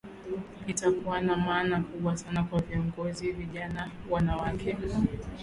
Itakuwa na maana kubwa sana kwa viongozi vijana wanawake